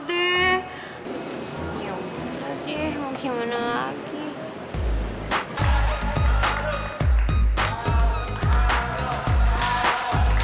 ya udah deh mau gimana lagi